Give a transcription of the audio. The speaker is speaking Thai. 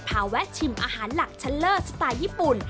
แวะชิมอาหารหลักชัลเลอร์สไตล์ญี่ปุ่น